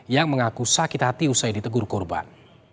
yang mengaku sakit hati usai ditegur korban